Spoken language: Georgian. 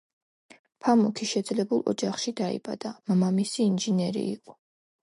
ფამუქი შეძლებულ ოჯახში დაიბადა, მამამისი ინჟინერი იყო.